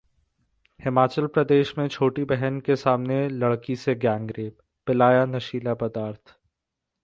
हिमाचल प्रदेश में छोटी बहन के सामने लड़की से गैंगरेप, पिलाया नशीला पदार्थ